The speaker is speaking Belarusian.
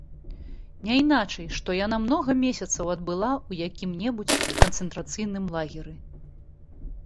Няйначай, што яна многа месяцаў адбыла ў якім-небудзь канцэнтрацыйным лагеры.